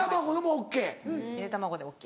ゆで卵でもＯＫ？